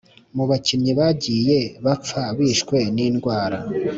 mu bakinnyibagiye bapfa bishwe n’indwara